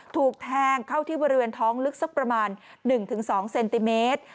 ถูกแทงเข้าที่บริเวณท้องลึกสักประมาณ๑๒เซนติเมตร